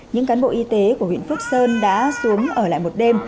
những cán bộ y tế của huyện phước sơn đã xuống ở lại một đêm